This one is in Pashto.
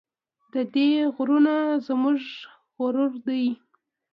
د دې غرونه زموږ غرور دی؟